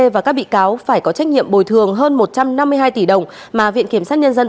và các bị cáo phải có trách nhiệm bồi thường hơn một trăm năm mươi hai tỷ đồng mà viện kiểm sát nhân dân